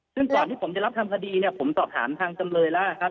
ซึ่งก่อนที่ผมจะรับทำคดีเนี่ยผมสอบถามทางจำเลยแล้วครับ